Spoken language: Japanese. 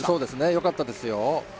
よかったですよ。